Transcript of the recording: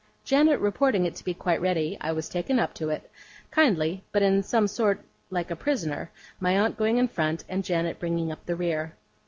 Janet reporting it to be quite ready, I was taken up to it; kindly, but in some sort like a prisoner; my aunt going in front and Janet bringing up the rear.